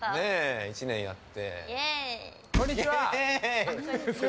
１年やって。